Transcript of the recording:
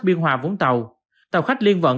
biên hòa vũng tàu tàu khách liên vận